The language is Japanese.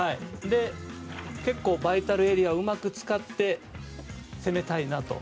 バイタルエリアをうまく使って攻めたいなと。